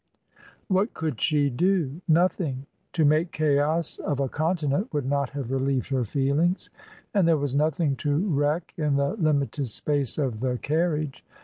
What could she do? Nothing! To make chaos of a continent would not have relieved her feelings, and there was nothing to wreck in the limited space of the carriage.